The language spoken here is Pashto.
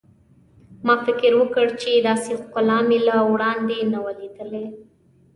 ما فکر وکړ چې داسې ښکلا مې له وړاندې نه وه لیدلې.